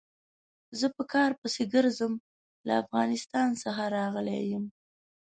زه په کار پسې ګرځم، له افغانستان څخه راغلی يم.